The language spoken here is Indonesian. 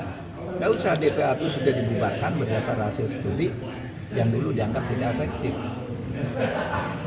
tidak usah dpr itu sudah dibubarkan berdasar hasil studi yang dulu dianggap tidak efektif